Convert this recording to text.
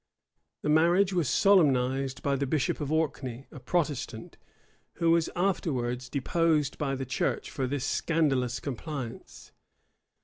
The marriage was solemnized by the bishop of Orkney, a Protestant, who was afterwards deposed by the church for this scandalous compliance.